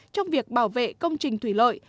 trong việc bảo vệ công trình thủy lợi